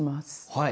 はい。